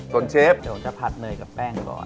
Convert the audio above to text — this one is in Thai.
ส่วนเชฟ